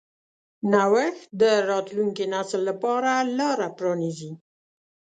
نوښت د راتلونکي نسل لپاره لاره پرانیځي.